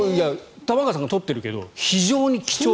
玉川さんが撮ってるけど非常に貴重な。